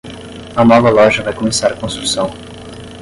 A nova loja vai começar a construção.